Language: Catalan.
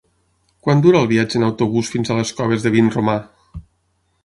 Quant dura el viatge en autobús fins a les Coves de Vinromà?